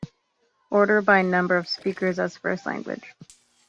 Ordered by number of speakers as first language.